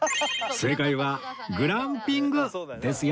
正解はグランピングですよ